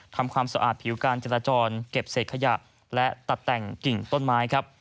ทำความสะอาดผิวการจราจรเก็บเศษขยะและตัดแต่งกิ่งต้นไม้ครับ